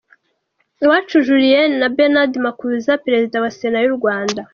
Uwacu Julienne na Bernard Makuza perezida wa sena y'u Rwanda.